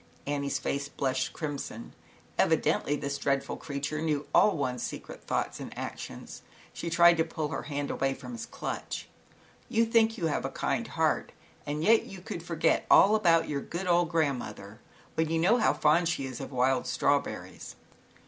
Annie's face blushed crimson, evi dently this dreadful creature knew all one's secret thoughts and 98 ZAUBERLINDA, THE WISE WITCH. tried to pull her hand away from his clutch. "You think you have a kind heart, and yet you could forget all about your good old grandmother, when you know how fond she is of wild strawberries."